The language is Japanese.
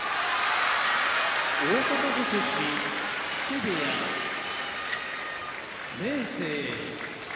大阪府出身木瀬部屋明生